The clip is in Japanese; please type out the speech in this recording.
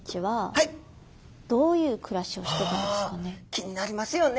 気になりますよね。